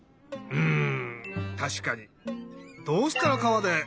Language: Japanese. うん。